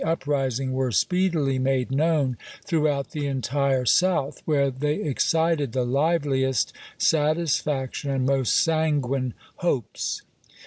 Uprising were speedily made known throughout the entire South, where they excited the liveliest satisfaction and most sanguine hopes.